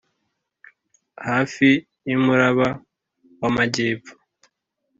hafi yumuraba wamajyepfo